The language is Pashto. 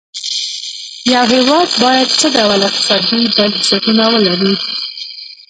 یو هېواد باید څه ډول اقتصادي بنسټونه ولري.